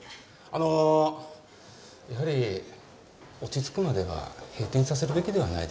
あのやはり落ち着くまでは閉店させるべきではないですか？